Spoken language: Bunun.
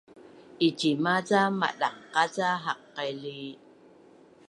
Icima ca madangqaca haqaili’?